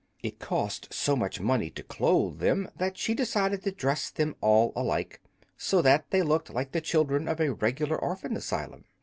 It cost so much money to clothe them that she decided to dress them all alike, so that they looked like the children of a regular orphan asylum.